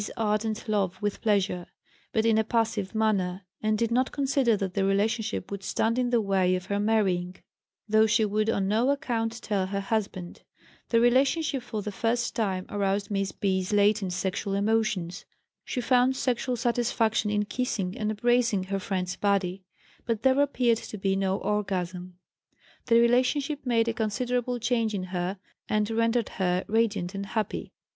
's ardent love with pleasure, but in a passive manner, and did not consider that the relationship would stand in the way of her marrying, though she would on no account tell her husband. The relationship for the first time aroused Miss B.'s latent sexual emotions. She found sexual satisfaction in kissing and embracing her friend's body, but there appeared to be no orgasm. The relationship made a considerable change in her, and rendered her radiant and happy.